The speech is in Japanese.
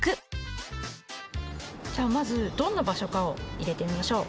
じゃあまずどんな場所かを入れてみましょう。